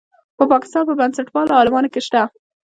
په پاکستان په بنسټپالو عالمانو کې شته.